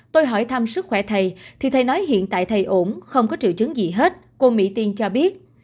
tôi hỏi thăm sức khỏe thầy thì thầy nói hiện tại thầy ổn không có triệu chứng gì hết cô mỹ tiên cho biết